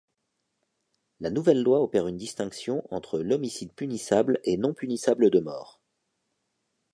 La nouvelle loi opère une distinction entre l'homicide punissable et non punissable de mort.